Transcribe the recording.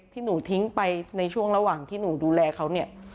ที่หนูทิ้งไปในช่วงระหว่างที่หนูดูแลเขาเนี่ย